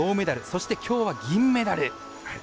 そして、きょうは銀メダル。